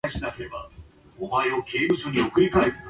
It is from Roxas City.